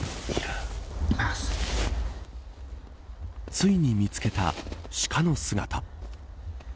ついに見つけたシカの姿。